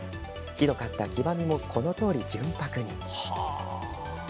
ひどかった黄ばみもこのとおり純白に。